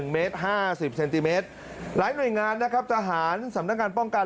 ๑เมตร๕๐เซนติเมตรหลายหน่วยงานนะครับทหารสำนักงานป้องกัน